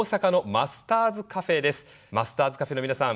マスターズＣａｆｅの皆さん